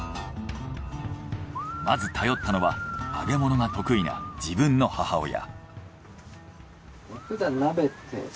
まず頼ったのは揚げ物が得意な自分の母親。